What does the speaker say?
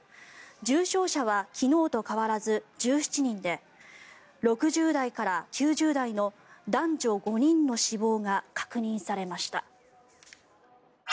重症者は昨日と変わらず１７人で６０代から９０代の男女５人の死亡が確認されました。